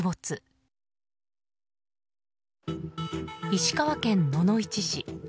石川県野々市市。